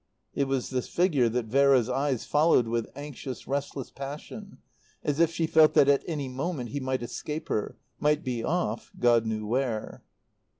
It was this figure that Vera's eyes followed with anxious, restless passion, as if she felt that at any moment he might escape her, might be off, God knew where.